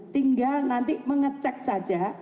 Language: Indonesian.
tinggal nanti mengecek saja